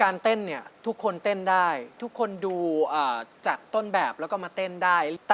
และหนูจะเป็นศิลปินที่มากความสามารถนะคะ